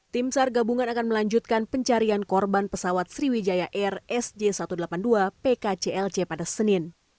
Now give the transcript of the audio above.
tim sar gabungan akan melanjutkan pencarian korban pesawat sriwijaya air sj satu ratus delapan puluh dua pkclc pada senin